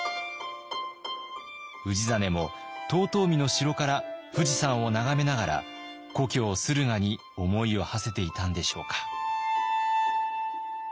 氏真も遠江の城から富士山を眺めながら故郷駿河に思いをはせていたんでしょうか。